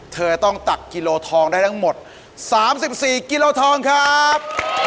เธอต้องตักกิโลทองได้ทั้งหมด๓๔กิโลทองครับ